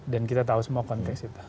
dan kita tahu semua konteks itu